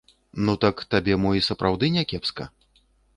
Ну так, табе, мо, і сапраўды, някепска.